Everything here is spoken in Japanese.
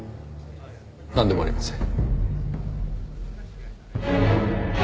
なんでもありません。